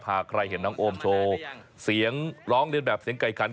หากใครเห็นน้องโอมโชว์เสียงร้องเรียนแบบเสียงไก่ขัน